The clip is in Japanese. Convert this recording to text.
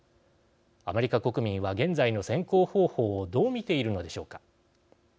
アメリカ国民は現在の選考方法をどう見ているのでしょうか。